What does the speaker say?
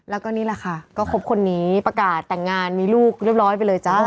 แล้วก็นี่แหละค่ะก็คบคนนี้ประกาศแต่งงานมีลูกเรียบร้อยไปเลยจ้า